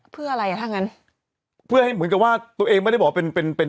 เพื่ออะไรอ่ะถ้างั้นเพื่อให้เหมือนกับว่าตัวเองไม่ได้บอกว่าเป็นเป็นเป็น